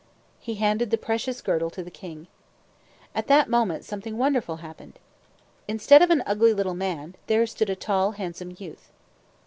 He handed the precious girdle to the king. At that moment, something wonderful happened. Instead of an ugly little man, there stood a tall, handsome youth.